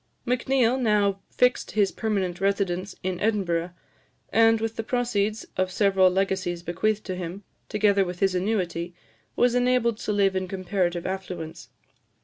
Macneill now fixed his permanent residence in Edinburgh, and, with the proceeds of several legacies bequeathed to him, together with his annuity, was enabled to live in comparative affluence.